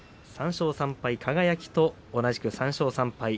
３勝３敗、輝と同じく３勝３敗